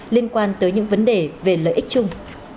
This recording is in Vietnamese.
về vấn đề về lợi ích chung